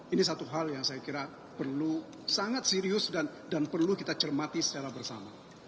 ini satu hal yang saya kira perlu sangat serius dan perlu kita cermati secara bersama